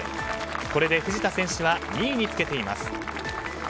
これで藤田選手は２位につけています。